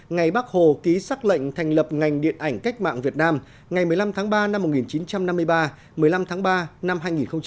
ngày bác hồ ký xác lệnh thành lập ngành điện ảnh cách mạng việt nam ngày một mươi năm tháng ba năm một nghìn chín trăm năm mươi ba một mươi năm tháng ba năm hai nghìn hai mươi